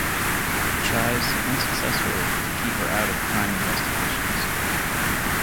He tries, unsuccessfully, to keep her out of crime investigations.